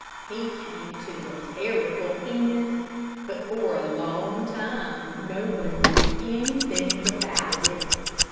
He came to a terrible end, but for a long time no one knew anything about it.